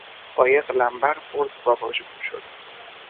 قایق لمبر خورد و واژگون شد.